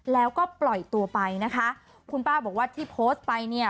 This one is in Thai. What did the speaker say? แล้วก็ปล่อยตัวไปนะคะคุณป้าบอกว่าที่โพสต์ไปเนี่ย